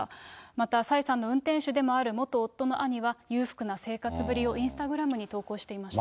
また蔡さんの運転手でもある元夫の兄は、裕福な生活ぶりをインスタグラムに投稿していました。